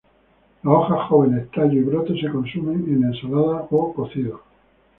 Las hojas jóvenes, tallos y brotes se consumen en ensaladas o cocidos.